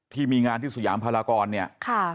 ที่มีงานที่สยามพลากรเนี่ย